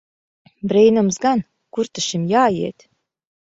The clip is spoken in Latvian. Brīnums gan! Kur ta šim jāiet!